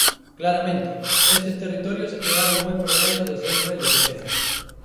Claramente, estes territorios achegaron moi por debaixo do seu nivel de riqueza.